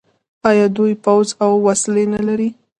آیا دوی پوځ او وسلې نلري؟